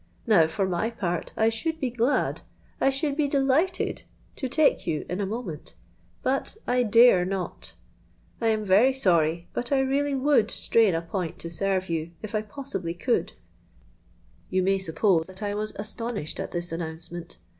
Now, for my part, I should be glad, I should be delighted to take you in a moment; but I dare not. I am very sorry, but I really would strain a point to serve you, if I possibly could.'—You may suppose that I was astonished at this announcement.